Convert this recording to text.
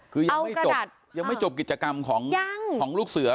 คือยังไม่จบกิจกรรมของลูกเสือ